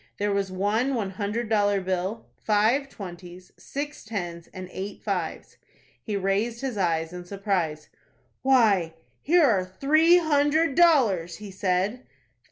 There was one one hundred dollar bill, five twenties, six tens, and eight fives. He raised his eyes in surprise. "Why, here are three hundred dollars," he said.